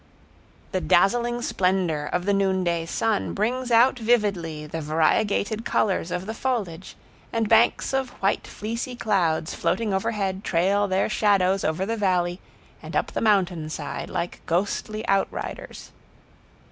The dazzling splendor of the noonday sun brings out vividly the variegated colors of the foliage, and banks of white fleecy clouds floating overhead trail their shadows over the valley and up the mountainside like ghostly outriders.